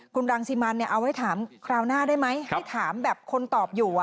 คุณรังสิมันเอาไว้ถามคราวหน้าได้ไหมให้ถามแบบคนตอบอยู่